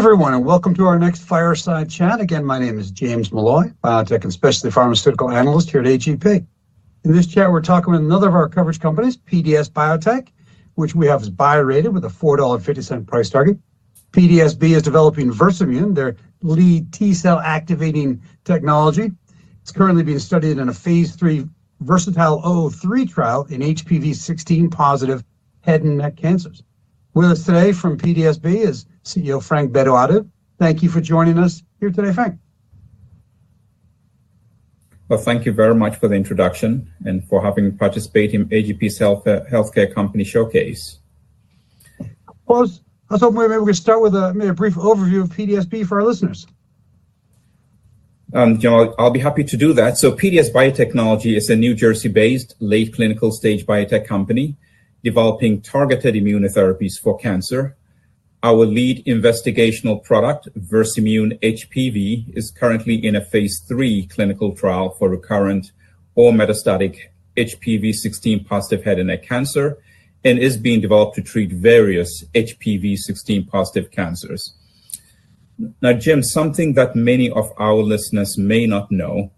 Hey, everyone, and welcome to our next Fireside Chat. Again, my name is James Molloy, biotech and specialty pharmaceutical analyst here at AGP. In this chat, we're talking with another of our coverage companies, PDS Biotechnology, which we have as BioRated with a $4.50 price target. PDS Biotechnology is developing Versamune, their lead T-cell activating technology. It's currently being studied in a phase III VERSATILE-003 trial in HPV-16 positive head and neck cancers. With us today from PDS Biotechnology is CEO Frank Bedu-Addo. Thank you for joining us here today, Frank. Thank you very much for the introduction and for having me participate in AGP's healthcare company showcase. I was hoping we were going to start with a brief overview of PDS Biotechnology for our listeners. I'll be happy to do that. PDS Biotechnology is a New Jersey-based late clinical stage biotech company developing targeted immunotherapies for cancer. Our lead investigational product, Versamune HPV, is currently in a phase III clinical trial for recurrent or metastatic HPV-16 positive head and neck cancer and is being developed to treat various HPV-16 positive cancers. Now, Jim, something that many of our listeners may not know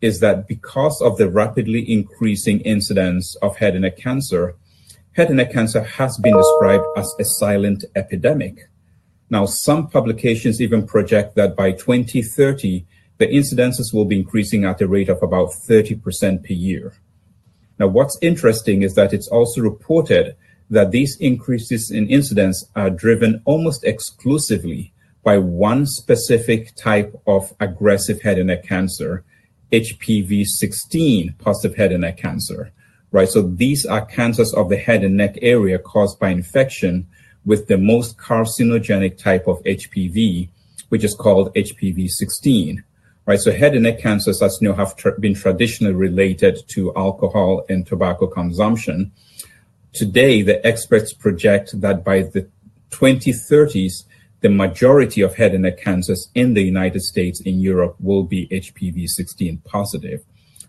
is that because of the rapidly increasing incidence of head and neck cancer, head and neck cancer has been described as a silent epidemic. Some publications even project that by 2030, the incidences will be increasing at a rate of about 30% per year. What's interesting is that it's also reported that these increases in incidence are driven almost exclusively by one specific type of aggressive head and neck cancer, HPV-16 positive head and neck cancer. Right? These are cancers of the head and neck area caused by infection with the most carcinogenic type of HPV, which is called HPV-16. Right? Head and neck cancers that have been traditionally related to alcohol and tobacco consumption. Today, the experts project that by the 2030s, the majority of head and neck cancers in the United States and Europe will be HPV-16 positive.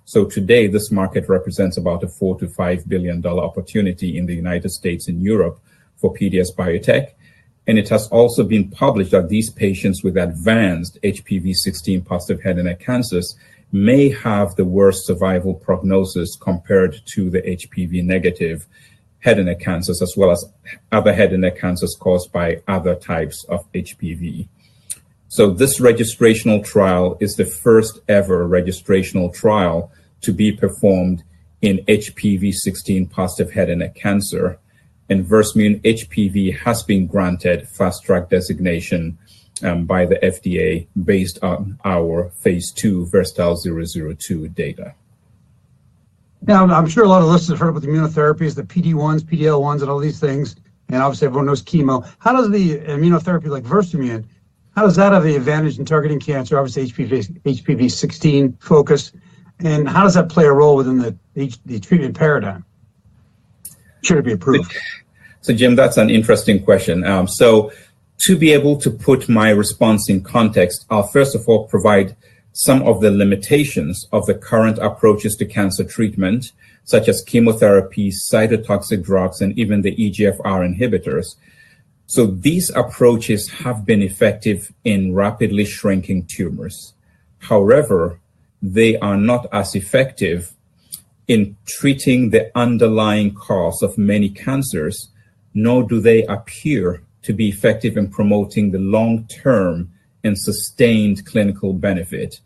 Today, this market represents about a $4 billion-$5 billion opportunity in the United States and Europe for PDS Biotechnology. It has also been published that these patients with advanced HPV-16 positive head and neck cancers may have the worst survival prognosis compared to the HPV-negative head and neck cancers, as well as other head and neck cancers caused by other types of HPV. This registrational trial is the first-ever registrational trial to be performed in HPV-16 positive head and neck cancer. Versamune HPV has been granted fast-track designation by the FDA based on our phase II VERSATILE-002 data. Now, I'm sure a lot of listeners heard about the immunotherapies, the PD-1s, PD-L1s, and all these things. Obviously, everyone knows chemo. How does the immunotherapy like Versamune, how does that have the advantage in targeting cancer, obviously HPV-16 focus? How does that play a role within the treatment paradigm? Should it be approved? Jim, that's an interesting question. To be able to put my response in context, I'll first of all provide some of the limitations of the current approaches to cancer treatment, such as chemotherapy, cytotoxic drugs, and even the EGFR inhibitors. These approaches have been effective in rapidly shrinking tumors. However, they are not as effective in treating the underlying cause of many cancers, nor do they appear to be effective in promoting the long-term and sustained clinical benefit.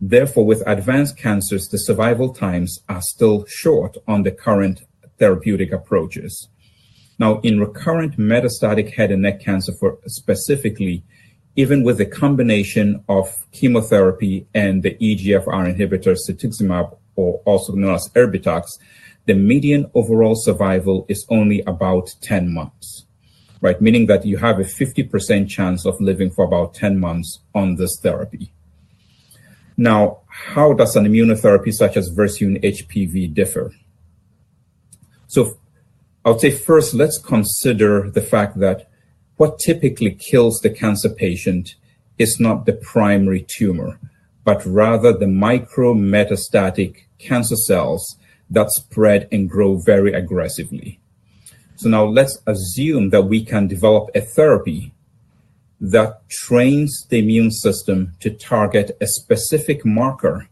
Therefore, with advanced cancers, the survival times are still short on the current therapeutic approaches. Now, in recurrent metastatic head and neck cancer, specifically, even with the combination of chemotherapy and the EGFR inhibitor, cetuximab, or also known as Erbitux, the median overall survival is only about 10 months, right? Meaning that you have a 50% chance of living for about 10 months on this therapy. Now, how does an immunotherapy such as Versamune HPV differ? I'll say first, let's consider the fact that what typically kills the cancer patient is not the primary tumor, but rather the micro-metastatic cancer cells that spread and grow very aggressively. Now let's assume that we can develop a therapy that trains the immune system to target a specific marker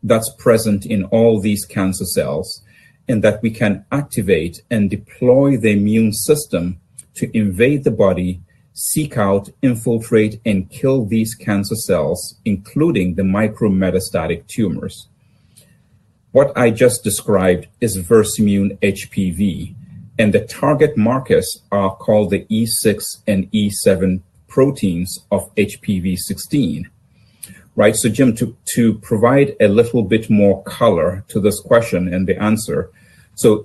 that's present in all these cancer cells and that we can activate and deploy the immune system to invade the body, seek out, infiltrate, and kill these cancer cells, including the micro-metastatic tumors. What I just described is Versamune HPV, and the target markers are called the E6 and E7 proteins of HPV-16, right? Jim, to provide a little bit more color to this question and the answer,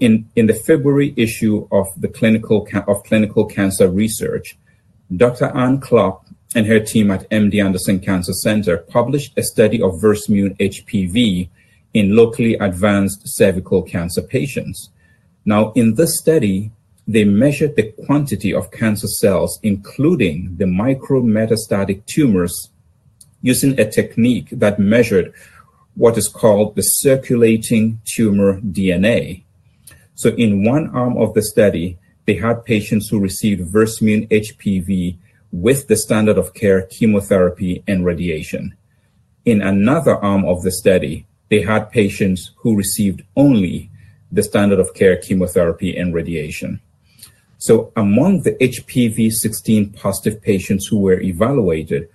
in the February issue of Clinical Cancer Research, Dr. Ann Klopp and her team at MD Anderson Cancer Center published a study of Versamune HPV in locally advanced cervical cancer patients. Now, in this study, they measured the quantity of cancer cells, including the micro-metastatic tumors, using a technique that measured what is called the circulating tumor DNA. In one arm of the study, they had patients who received Versamune HPV with the standard of care chemotherapy and radiation. In another arm of the study, they had patients who received only the standard of care chemotherapy and radiation. Among the HPV-16 positive patients who were evaluated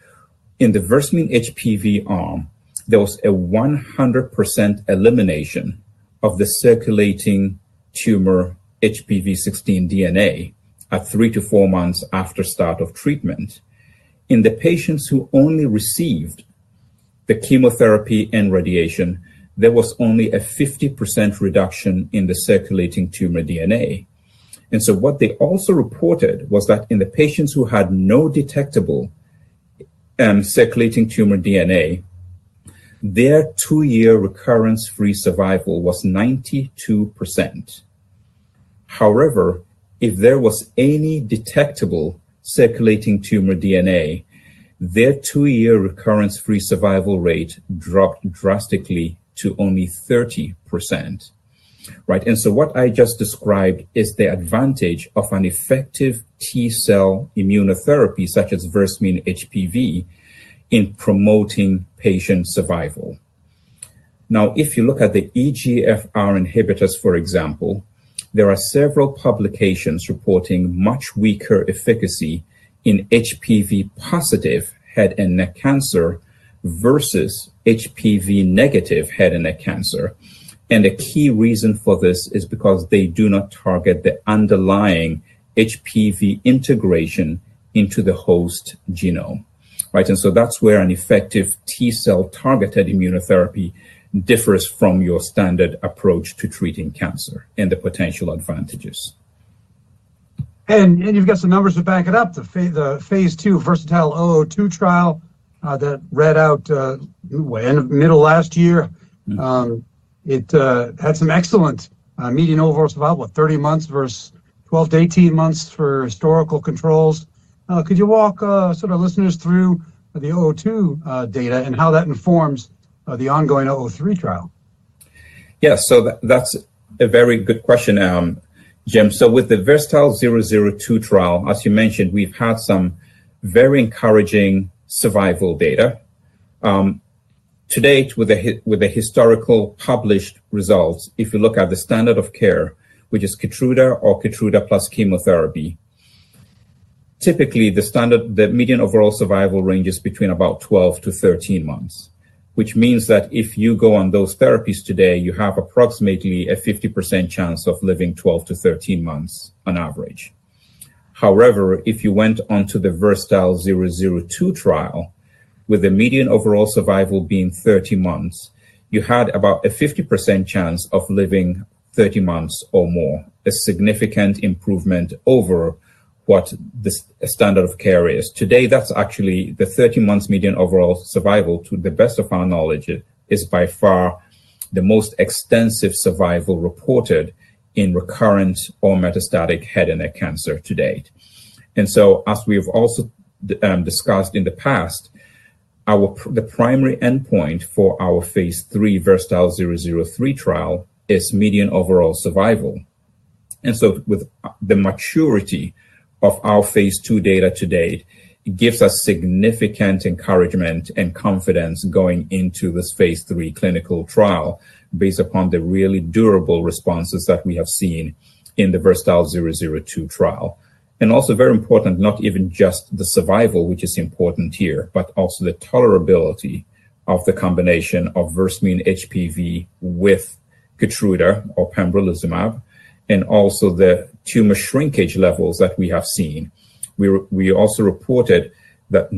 in the Versamune HPV arm, there was a 100% elimination of the circulating tumor HPV-16 DNA at three to four months after start of treatment. In the patients who only received the chemotherapy and radiation, there was only a 50% reduction in the circulating tumor DNA. What they also reported was that in the patients who had no detectable circulating tumor DNA, their two-year recurrence-free survival was 92%. However, if there was any detectable circulating tumor DNA, their two-year recurrence-free survival rate dropped drastically to only 30%, right? What I just described is the advantage of an effective T-cell immunotherapy such as Versamune HPV in promoting patient survival. Now, if you look at the EGFR inhibitors, for example, there are several publications reporting much weaker efficacy in HPV-positive head and neck cancer versus HPV-negative head and neck cancer. A key reason for this is because they do not target the underlying HPV integration into the host genome, right? That is where an effective T-cell targeted immunotherapy differs from your standard approach to treating cancer and the potential advantages. You've got some numbers to back it up. The phase II VERSATILE-002 trial that read out mid-last year, it had some excellent median overall survival, what, 30 months versus 12-18 months for historical controls. Could you walk sort of listeners through the 002 data and how that informs the ongoing 003 trial? Yes, so that's a very good question, Jim. With the VERSATILE-002 trial, as you mentioned, we've had some very encouraging survival data. Today, with the historical published results, if you look at the standard of care, which is Keytruda or Keytruda plus chemotherapy, typically the median overall survival ranges between about 12-13 months, which means that if you go on those therapies today, you have approximately a 50% chance of living 12-13 months on average. However, if you went on to the VERSATILE-002 trial, with the median overall survival being 30 months, you had about a 50% chance of living 30 months or more, a significant improvement over what the standard of care is. Today, that's actually the 30-month median overall survival, to the best of our knowledge, is by far the most extensive survival reported in recurrent or metastatic head and neck cancer to date. As we've also discussed in the past, the primary endpoint for our phase III VERSATILE-003 trial is median overall survival. With the maturity of our phase II data to date, it gives us significant encouragement and confidence going into this phase III clinical trial based upon the really durable responses that we have seen in the VERSATILE-002 trial. Also, very important, not even just the survival, which is important here, but also the tolerability of the combination of Versamune HPV with Keytruda or pembrolizumab, and also the tumor shrinkage levels that we have seen. We also reported that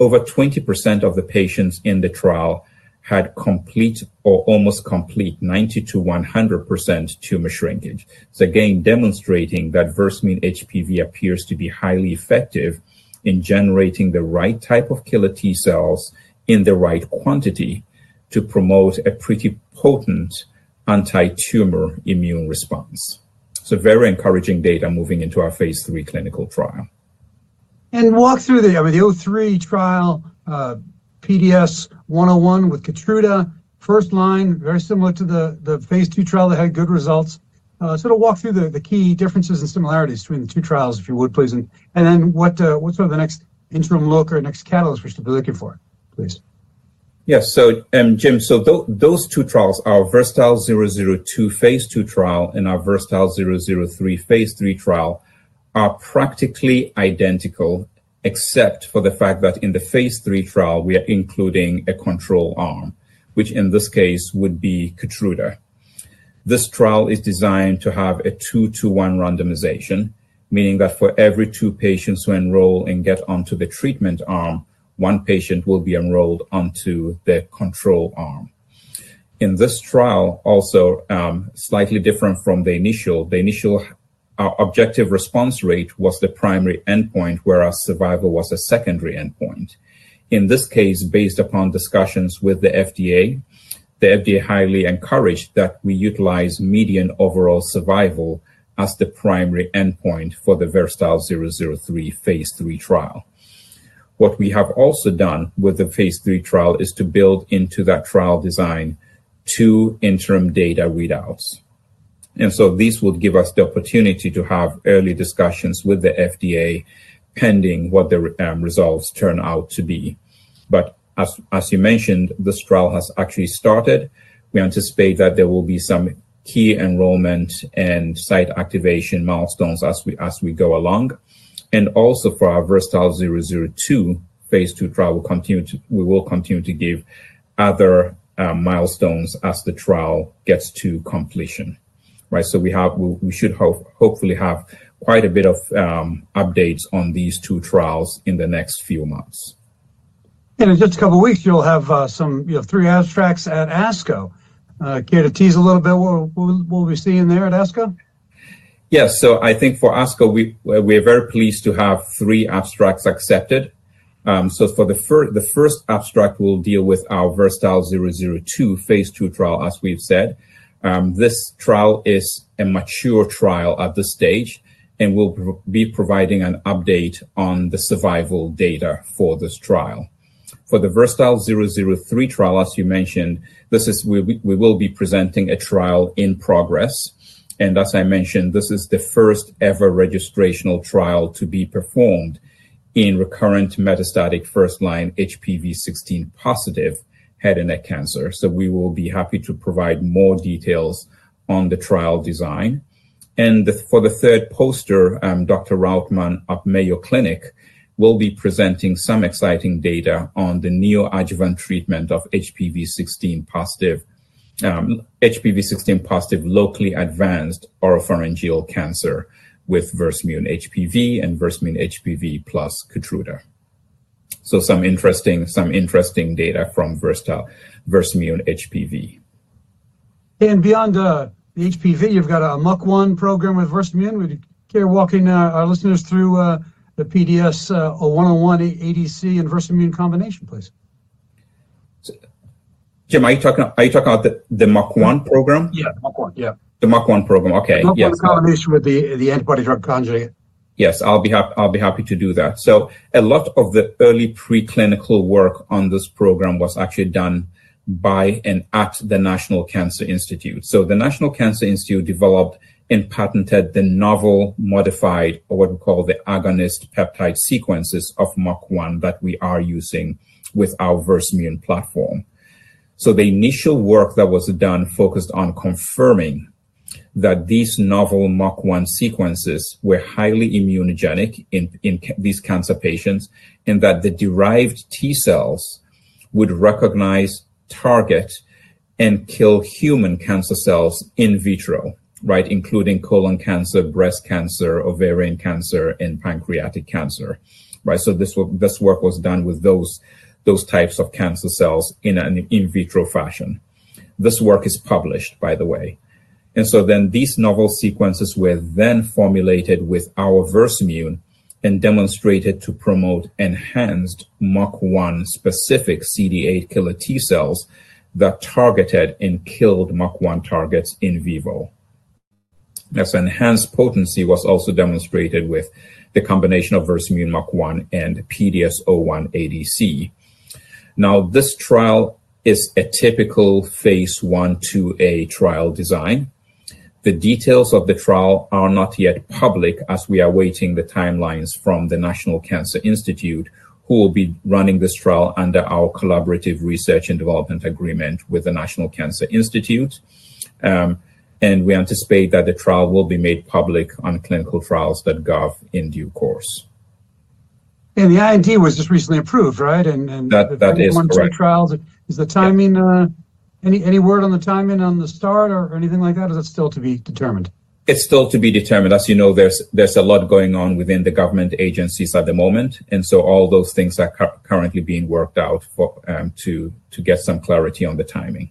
over 20% of the patients in the trial had complete or almost complete 90-100% tumor shrinkage. So, again, demonstrating that Versamune HPV appears to be highly effective in generating the right type of killer T-cells in the right quantity to promote a pretty potent anti-tumor immune response. So, very encouraging data moving into our phase III clinical trial. Walk through the 003 trial, PDS0101 with Keytruda, first line, very similar to the phase II trial that had good results. Sort of walk through the key differences and similarities between the two trials, if you would, please. What is the next interim look or next catalyst we should be looking for, please? Yes, so, Jim, those two trials, our VERSATILE-002 phase II trial and our VERSATILE-003 phase III trial, are practically identical, except for the fact that in the phase III trial, we are including a control arm, which in this case would be Keytruda. This trial is designed to have a two-to-one randomization, meaning that for every two patients who enroll and get onto the treatment arm, one patient will be enrolled onto the control arm. In this trial, also, slightly different from the initial, the initial objective response rate was the primary endpoint, whereas survival was a secondary endpoint. In this case, based upon discussions with the FDA, the FDA highly encouraged that we utilize median overall survival as the primary endpoint for the VERSATILE-003 phase III trial. What we have also done with the phase III trial is to build into that trial design two interim data readouts. These would give us the opportunity to have early discussions with the FDA pending what the results turn out to be. As you mentioned, this trial has actually started. We anticipate that there will be some key enrollment and site activation milestones as we go along. Also, for our VERSATILE-002 phase II trial, we will continue to give other milestones as the trial gets to completion, right? We should hopefully have quite a bit of updates on these two trials in the next few months. In just a couple of weeks, you'll have some three abstracts at ASCO. Care to tease a little bit what we'll be seeing there at ASCO? Yes, so I think for ASCO, we are very pleased to have three abstracts accepted. For the first abstract, we'll deal with our VERSATILE-002 phase II trial, as we've said. This trial is a mature trial at this stage, and we'll be providing an update on the survival data for this trial. For the VERSATILE-003 trial, as you mentioned, we will be presenting a trial in progress. As I mentioned, this is the first ever registrational trial to be performed in recurrent metastatic first-line HPV-16 positive head and neck cancer. We will be happy to provide more details on the trial design. For the third poster, Dr. Rautmann at Mayo Clinic will be presenting some exciting data on the neoadjuvant treatment of HPV-16 positive, locally advanced oropharyngeal cancer with Versamune HPV and Versamune HPV plus Keytruda. Some interesting data from Versamune HPV. Beyond the HPV, you've got a MUC1 program with Versamune. Would you care walking our listeners through the PDS0101, ADC, and Versamune combination, please? Jim, are you talking about the MUC1 program? Yeah, MUC1. The MUC1 program, okay. MUC1 combination with the antibody drug conjugate. Yes, I'll be happy to do that. A lot of the early preclinical work on this program was actually done by and at the National Cancer Institute. The National Cancer Institute developed and patented the novel modified, or what we call the agonist peptide sequences of MUC1 that we are using with our Versamune platform. The initial work that was done focused on confirming that these novel MUC1 sequences were highly immunogenic in these cancer patients and that the derived T-cells would recognize, target, and kill human cancer cells in vitro, right, including colon cancer, breast cancer, ovarian cancer, and pancreatic cancer, right? This work was done with those types of cancer cells in an in vitro fashion. This work is published, by the way. These novel sequences were then formulated with our Versamune and demonstrated to promote enhanced MUC1 specific CD8 killer T-cells that targeted and killed MUC1 targets in vivo. That enhanced potency was also demonstrated with the combination of Versamune MUC1 and PDS01ADC. This trial is a typical phase I to II trial design. The details of the trial are not yet public as we are waiting for the timelines from the National Cancer Institute, who will be running this trial under our collaborative research and development agreement with the National Cancer Institute. We anticipate that the trial will be made public on clinicaltrials.gov in due course. The IND was just recently approved, right? That is correct. Is the timing, any word on the timing on the start or anything like that? Is that still to be determined? It's still to be determined. As you know, there's a lot going on within the government agencies at the moment. All those things are currently being worked out to get some clarity on the timing.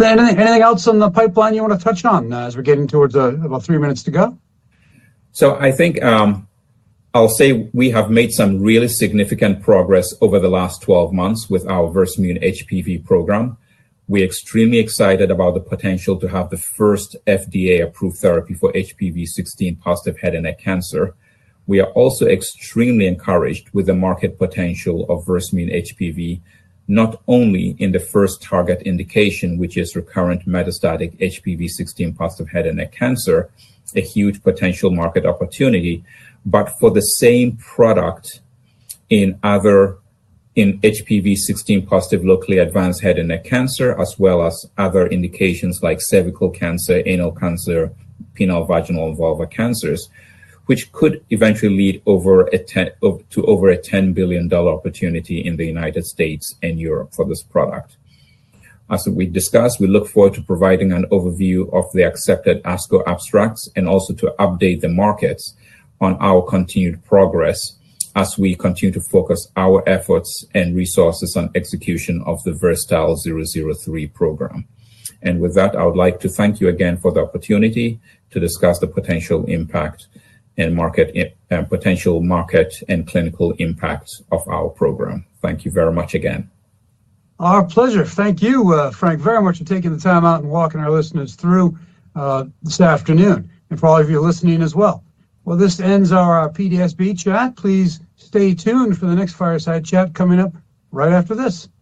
Anything else on the pipeline you want to touch on as we're getting towards about three minutes to go? I think I'll say we have made some really significant progress over the last 12 months with our Versamune HPV program. We're extremely excited about the potential to have the first FDA-approved therapy for HPV-16 positive head and neck cancer. We are also extremely encouraged with the market potential of Versamune HPV, not only in the first target indication, which is recurrent metastatic HPV-16 positive head and neck cancer, a huge potential market opportunity, but for the same product in HPV-16 positive locally advanced head and neck cancer, as well as other indications like cervical cancer, anal cancer, penile, vaginal, vulva cancers, which could eventually lead to over a $10 billion opportunity in the United States and Europe for this product. As we discussed, we look forward to providing an overview of the accepted ASCO abstracts and also to update the markets on our continued progress as we continue to focus our efforts and resources on execution of the VERSATILE-003 program. With that, I would like to thank you again for the opportunity to discuss the potential impact and market and potential market and clinical impact of our program. Thank you very much again. Our pleasure. Thank you, Frank, very much for taking the time out and walking our listeners through this afternoon and for all of you listening as well. This ends our PDS Bee Chat. Please stay tuned for the next Fireside Chat coming up right after this.